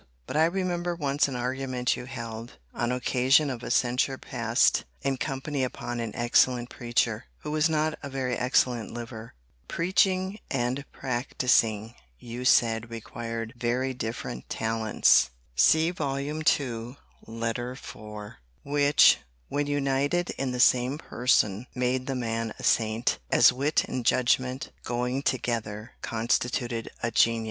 But I remember once an argument you held, on occasion of a censure passed in company upon an excellent preacher, who was not a very excellent liver: preaching and practising, you said, required very different talents:* which, when united in the same person, made the man a saint; as wit and judgment, going together, constituted a genius.